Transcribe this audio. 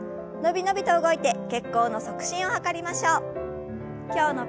伸び伸びと動いて血行の促進を図りましょう。